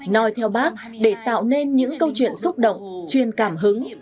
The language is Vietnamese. nói theo bác để tạo nên những câu chuyện xúc động chuyên cảm hứng